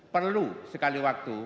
perlu sekali waktu